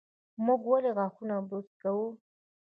موږ ولې غاښونه برس کوو؟